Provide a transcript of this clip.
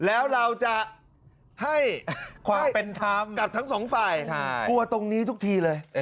แล้วเราจะให้ความเป็นธรรมกับทั้งสองฝ่ายกลัวตรงนี้ทุกทีเลย